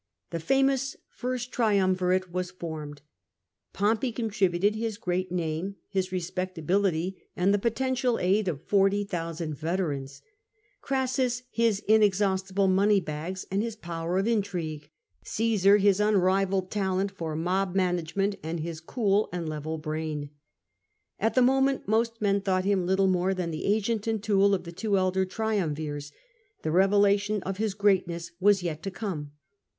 The famous '' First Triumvirate '' was formed, Pompey contributing his great name, his respectability and the potential aid of forty thousand veterans; Crassus, his inexhaustible money bags and his power of intrigue ; Caesar, his unrivalled talent for mob management and his cool and level brain. At the moment most men thought him little more than the agent and tool of the two elder triumvirs; the revelation of his greatness was yet to come.